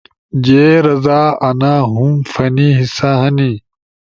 جے رزا، انا ہُم فنی حصہ ہنی۔